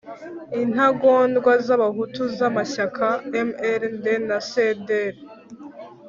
intagondwa z'abahutu b'amashyaka mrnd na cdr.